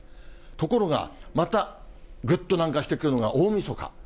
ところが、またぐっと南下してくるのが、大みそか。